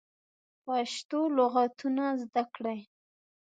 پښتو لغاتونه زده کړی